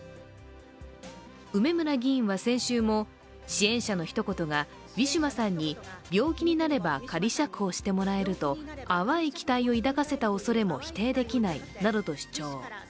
梅村議員は先週も、支援者のひと言がウィシュマさんに病気になれば仮釈放してもらえると淡い期待を抱かせたおそれも否定できないなどと主張。